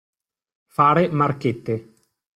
Fare marchette.